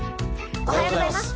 おはようございます。